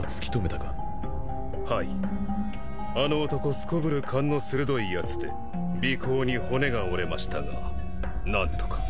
すこぶる勘の鋭いやつで尾行に骨が折れましたが何とか。